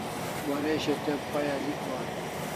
Waresho te pay alik gohan